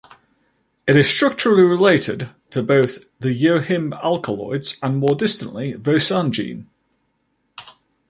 It is structurally related to both the yohimbe alkaloids and, more distantly, voacangine.